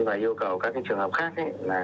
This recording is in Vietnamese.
và yêu cầu các trường hợp khác